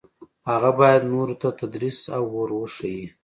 هغه باید نورو ته تدریس او ور وښيي.